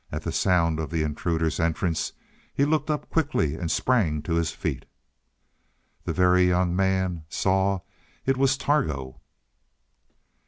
At the sound of the intruder's entrance he looked up quickly and sprang to his feet. The Very Young Man saw it was Targo!